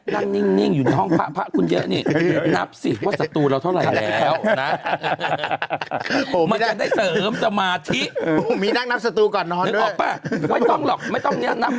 อ๋อไม่เคยซื้อหวย